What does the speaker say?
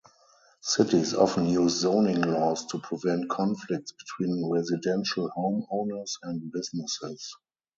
Cities often use zoning laws to prevent conflicts between residential homeowners and businesses.